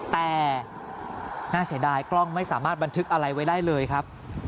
แต่น่าเสียดายกล้องไม่สามารถบันทึกอะไรไว้ได้เลยครับ